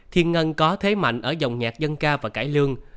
thiên ngân có thế mạnh ở dòng nhạc dân ca và cải lương